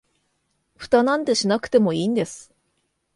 フタなんてしなくてもいいんです